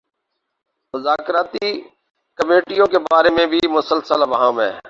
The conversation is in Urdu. مذاکرتی کمیٹیوں کے بارے میں بھی مسلسل ابہام ہے۔